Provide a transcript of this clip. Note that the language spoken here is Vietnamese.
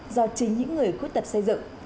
do chính những người khuyết tật xây dựng